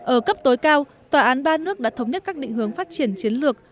ở cấp tối cao tòa án ba nước đã thống nhất các định hướng phát triển chiến lược